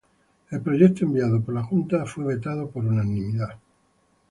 El proyecto enviado por la Junta fue vetado por unanimidad.